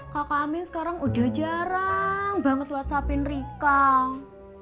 kakak amin sekarang udah jarang banget whatsapin rikang